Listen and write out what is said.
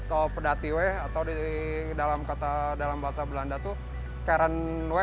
atau pedatiwe atau di dalam kata dalam bahasa belanda tuh kerenwe